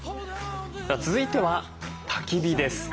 さあ続いてはたき火です。